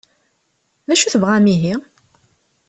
D acu i tebɣam ihi?